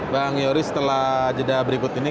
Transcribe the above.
bang yoris setelah jeda berikut ini